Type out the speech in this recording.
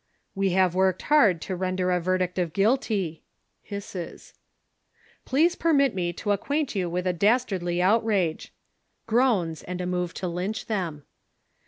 ] We have worked hard to render a verdict of guilty. [Hisses, j Please permit me to acquaint you with a das tardly outrage. [Groans, and a move to lynch them.